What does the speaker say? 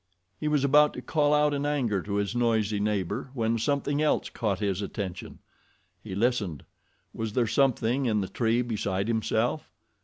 He was about to call out in anger to his noisy neighbor when something else caught his attention. He listened. Was there something in the tree beside himself?